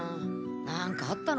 何かあったのかな？